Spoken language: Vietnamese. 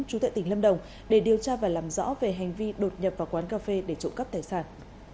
chú tệ tỉnh lâm đồng để điều tra và làm rõ về hành vi đột nhập vào quán cà phê để trộn cắp tài sản